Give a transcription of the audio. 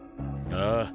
ああ。